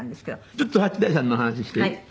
ちょっと八大さんの話していい？